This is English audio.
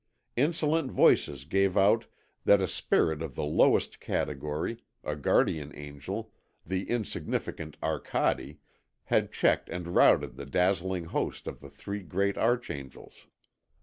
Insolent voices gave out that a spirit of the lowest category, a guardian angel, the insignificant Arcade, had checked and routed the dazzling host of the three great archangels.